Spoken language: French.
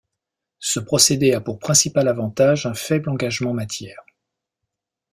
Ce procédé a pour principal avantage un faible engagement matière.